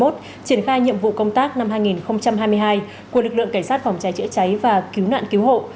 triển khai nhiệm vụ công tác năm hai nghìn hai mươi hai của lực lượng cảnh sát phòng cháy chữa cháy và cứu nạn cứu hộ